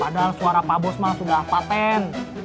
padahal suara pak bos mah sudah paten